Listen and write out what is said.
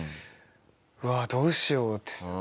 「うわどうしよう」っていう。